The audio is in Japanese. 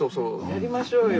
やりましょうよ。